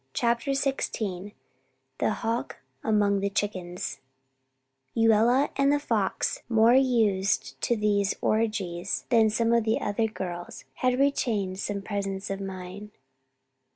CHAPTER XVI THE HAWK AMONG THE CHICKENS Lluella and The Fox, more used to these orgies than some of the other girls, had retained some presence of mind.